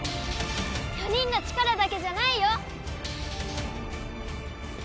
４人の力だけじゃないよ。